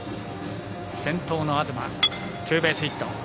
先頭の東、ツーベースヒット。